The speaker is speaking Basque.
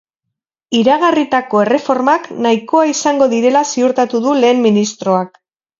Iragarritako erreformak nahikoa izango direla ziurtatu du lehen ministroak.